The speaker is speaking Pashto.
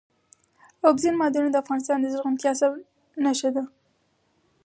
اوبزین معدنونه د افغانستان د زرغونتیا نښه ده.